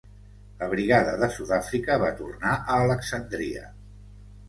La Brigada de Sud-àfrica va tornar a Alexandria.